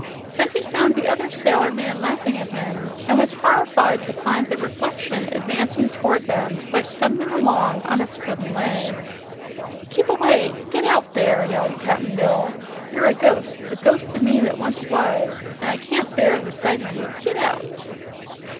Then he found the other sailor man laughing at him and was horrified to find the "reflection" advancing toward them by stumping along on its wooden leg. "Keep away! Get out, there!" yelled Cap'n Bill. "You're a ghost, the ghost o' me that once was, an' I can't bear the sight o' you. Git out!"